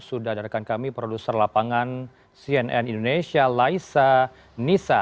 sudah ada rekan kami produser lapangan cnn indonesia laisa nisa